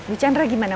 bu chandra gimana